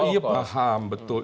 oh iya paham betul